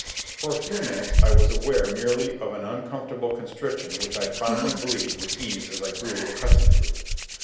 For a few minutes I was aware merely of an uncomfortable constriction which I fondly believed would ease as I grew accustomed to it.